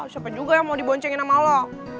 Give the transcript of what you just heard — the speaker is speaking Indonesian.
siapa juga yang mau diboncengin sama lo